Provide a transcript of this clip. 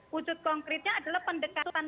wujud konkretnya adalah pendekatan